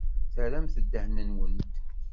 Terramt ddehn-nwent.